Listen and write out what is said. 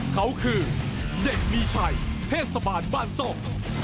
เขาคือเด็กมีชัยเพศสะบานบ้านซ่อม